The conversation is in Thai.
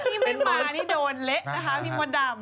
ที่ไม่มานี่โดนเละนะคะพี่มดดำ